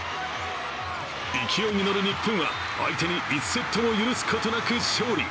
勢いに乗る日本は、相手に１セットも許すことなく勝利。